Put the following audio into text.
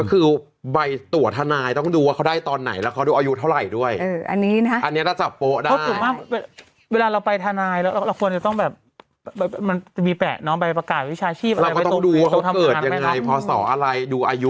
คือใบตรวจทนายต้องดูว่าเขาได้ตอนไหนแล้วเขาดูอายุเท่าไหร่ด้วย